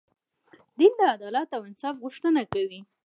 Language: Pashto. دین د عدالت او انصاف غوښتنه کوي.